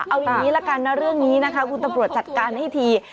เอาอย่างนี้ละกันนะเรื่องนี้นะคะคุณตำรวจจัดการให้ที